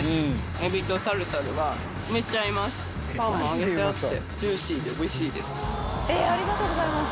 エビとタルタルがめっちゃ合います。